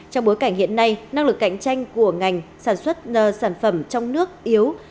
trong bối cảnh hiện nay năng lực cạnh tranh của ngành sản xuất sản phẩm trong nước yếu